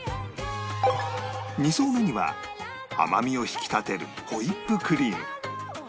２層目には甘みを引き立てるホイップクリーム